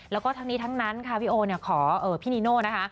แล้วก็ทั้งนี้ทั้งนั้นค่ะพี่โอขอพี่นีโน่นะคะ